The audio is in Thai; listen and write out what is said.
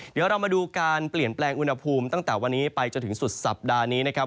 เดี๋ยวเรามาดูการเปลี่ยนแปลงอุณหภูมิตั้งแต่วันนี้ไปจนถึงสุดสัปดาห์นี้นะครับ